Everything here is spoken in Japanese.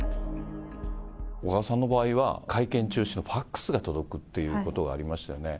小川さんの場合は、会見中、ファックスが届くっていうことがありましたよね。